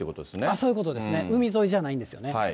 そういうことですね、海沿いじゃないんですね。